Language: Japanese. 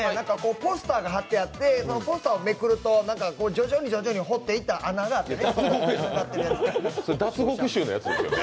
ポスターが貼ってあって、ポスターをめくると、徐々に徐々に掘っていった穴があってね。